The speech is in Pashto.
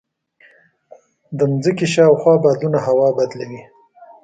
د ځمکې شاوخوا بادونه هوا بدله وي.